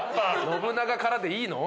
信長からでいいの？